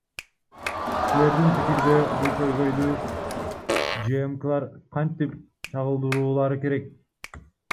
Силердин пикирде, бул көйгөйдү ЖМКлар кантип чагылдыруулары керек?